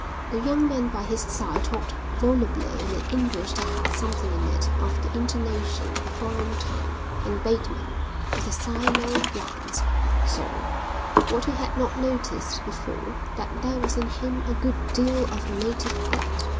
The young man by his side talked volubly in an English that had something in it of the intonation of a foreign tongue, and Bateman, with a sidelong glance, saw, what he had not noticed before, that there was in him a good deal of native blood.